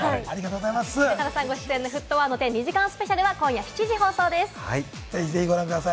中田さんもご出演する『沸騰ワード１０』２時間スペシャルは今夜７時放送です。